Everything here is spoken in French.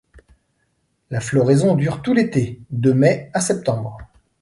La floraison dure tout l'été : de mai à septembre.